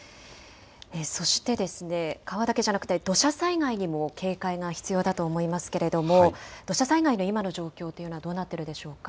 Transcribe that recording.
そして川だけじゃなくて土砂災害にも警戒が必要だと思いますけれども土砂災害の今の状況というのはどうなっているでしょうか。